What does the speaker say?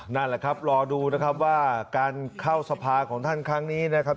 นั่นแหละครับรอดูนะครับว่าการเข้าสภาของท่านครั้งนี้นะครับ